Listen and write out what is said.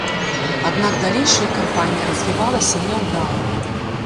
Аднак далейшая кампанія развівалася няўдала.